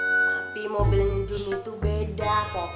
tapi mobilnya juni beda